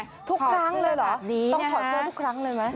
ทุกครั้งเลยเหรอต้องถอดเสื้อทุกครั้งเลยไหม